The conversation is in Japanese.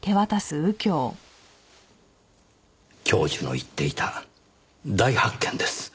教授の言っていた大発見です。